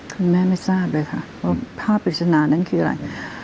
คุณแม่ไม่ทราบเลยค่ะว่าภาพปริศนานั้นคืออะไร